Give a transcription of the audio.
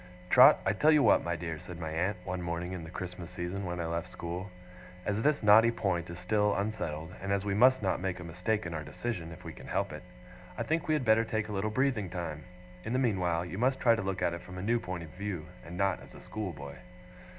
'Trot, I tell you what, my dear,' said my aunt, one morning in the Christmas season when I left school: 'as this knotty point is still unsettled, and as we must not make a mistake in our decision if we can help it, I think we had better take a little breathing time. In the meanwhile, you must try to look at it from a new point of view, and not as a schoolboy.